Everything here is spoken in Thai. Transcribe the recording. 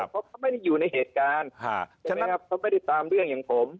เพราะเขาไม่ได้อยู่ในเหตุการณ์ใช่ไหมครับเขาไม่ได้ตามเรื่องอย่างผม